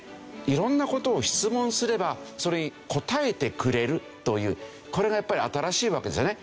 色んな事を質問すればそれに答えてくれるというこれがやっぱり新しいわけですよね。